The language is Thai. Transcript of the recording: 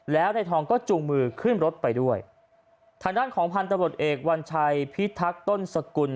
แล้วนายทองก็จูงมือขึ้นรถไปด้วยทางด้านของพันธบทเอกวัญชัยพิทักษ์ต้นสกุล